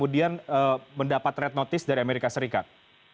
dan mendapat red notice dari amerika serikat